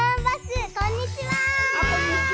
あこんにちは！